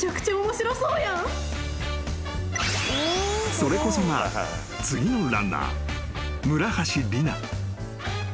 ［それこそが次のランナー村橋里菜］